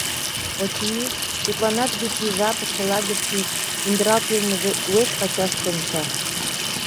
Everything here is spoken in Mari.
Очыни, тудланат вич ий жапыште лагерьыште индыралт илымыже уэш-пачаш конча.